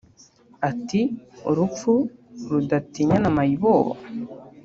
Ati “Urupfu rudatinya na Mayibobo